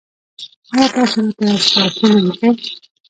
ایا تاسو راته سپارښتنه لیکئ؟